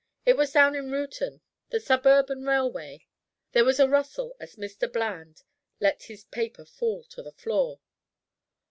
It was down in Reuton the Suburban Railway." There was a rustle as Mr. Bland let his paper fall to the floor.